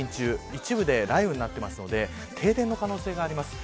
一部で雷雨になっているので停電の可能性があります。